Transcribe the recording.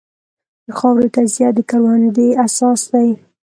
د خاورې تجزیه د کروندې اساس دی.